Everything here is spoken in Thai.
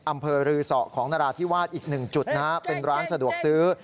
อำเภอฤษะของร้านนราธิวาสอีก๑จุดเป็นร้านสะดวกซื้อ